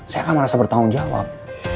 saya akan merasa bertanggung jawab